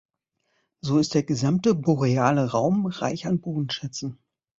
So ist der gesamte boreale Raum reich an Bodenschätzen.